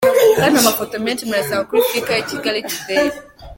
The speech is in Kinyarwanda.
Andi mafoto menshi murayasanga kuri Flickr ya Kigali Today.